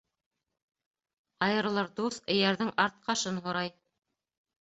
Айырылыр дуҫ эйәрҙең арт ҡашын һорай.